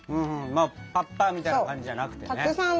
パッパみたいな感じじゃなくてね。